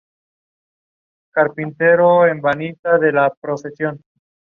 Es la ópera prima del reconocido director.